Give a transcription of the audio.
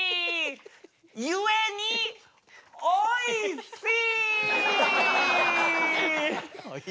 ゆえにおいしい！